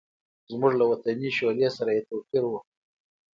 زموږ له وطني شولې سره یې توپیر و.